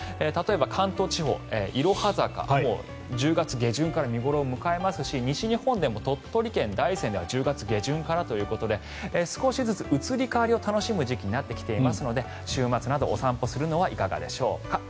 関東地方はいろは坂１０月下旬から見頃を迎えますし西日本でも鳥取県・大山では１０月下旬からということで少しずつ移り変わりを楽しむ時期になってきていますので週末など、お散歩してみてはいかがでしょうか。